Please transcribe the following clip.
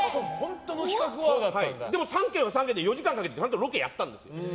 でも、３軒は３軒で４時間かけてちゃんとロケしたんです。